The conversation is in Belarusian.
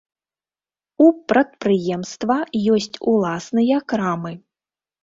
У прадпрыемства ёсць уласныя крамы.